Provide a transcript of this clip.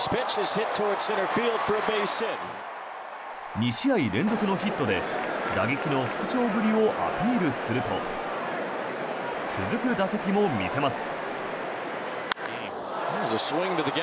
２試合連続のヒットで打撃の復調ぶりをアピールすると続く打席も見せます。